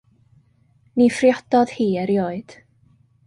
Ni phriododd hi erioed.